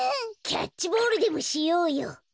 キャッチボールでもしようよ！